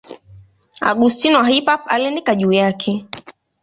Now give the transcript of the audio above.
Augustino wa Hippo aliandika juu yake.